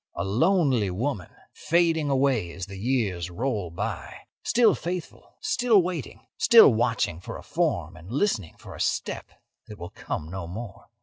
A lonely woman fading away as the years roll by; still faithful, still waiting, still watching for a form and listening for a step that will come no more.